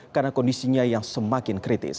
karena kondisinya yang semakin kritis